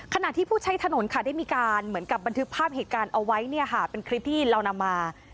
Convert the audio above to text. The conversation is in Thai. ขณะที่ผู้ใช้ถนนค่ะได้มีการเหมือนกับบันทึกภาพเหตุการณ์เอาไว้เนี่ยค่ะเป็นคลิปที่เรานำมา